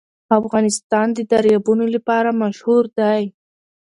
افغانستان د دریابونه لپاره مشهور دی.